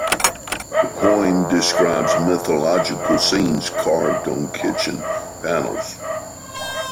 The poem describes mythological scenes carved on kitchen panels.